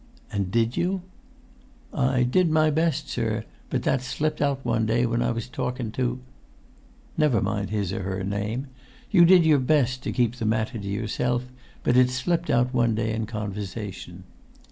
"And did you?" "I did my best, sir, but that slipped out one day when I was talking to——" "Never mind his or her name. You did your best to keep the matter to yourself, but it slipped out one day in conversation.